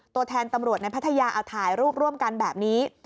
ตัวแทนตำรวจในพัทยาเอาถ่ายรูปร่วมกันแบบนี้